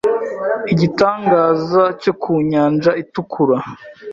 igitangaza cyo ku nyanja itukura